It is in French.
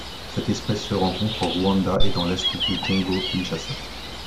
Cette espèce se rencontre au Rwanda et dans l'est du Congo-Kinshasa.